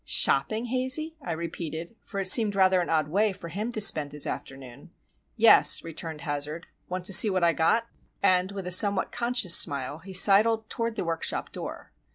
"Shopping, Hazey?" I repeated; for it seemed rather an odd way for him to spend his afternoon. "Yes," returned Hazard. "Want to see what I got?" And, with a somewhat conscious smile, he sidled toward the workshop door.